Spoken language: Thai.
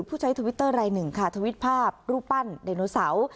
ใช้ทวิตเตอร์รายหนึ่งค่ะทวิตภาพรูปปั้นไดโนเสาร์